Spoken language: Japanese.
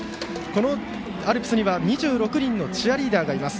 このアルプスには２６人のチアリーダーがいます。